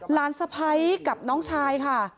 สะพ้ายกับน้องชายค่ะ